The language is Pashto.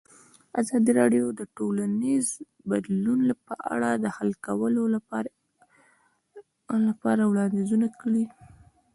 ازادي راډیو د ټولنیز بدلون په اړه د حل کولو لپاره وړاندیزونه کړي.